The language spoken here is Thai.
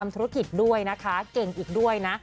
ธุรกิจด้วยนะคะเก่งอีกด้วยนะ